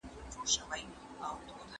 افغان ښځي بهر ته د سفر ازادي نه لري.